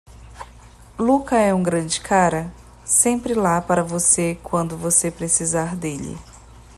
Lucca é um grande cara? sempre lá para você quando você precisar dele.